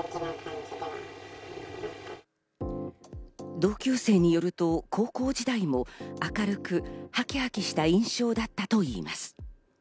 同級生によると、高校時代も明るくハキハキした印象だったといいます。